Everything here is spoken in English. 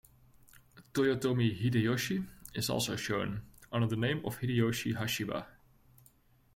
Toyotomi Hideyoshi is also shown, under the name of Hideyoshi Hashiba.